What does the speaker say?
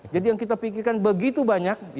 yang kita pikirkan begitu banyak